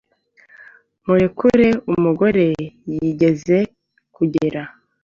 kurekure umugore yigeze kugira.